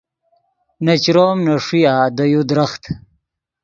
نے چروم نے ݰویا دے یو درخت